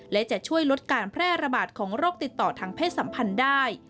และจะช่วยลดการแพร่ระบาดของโรคติดต่อทางเพศสัมพันธ์ได้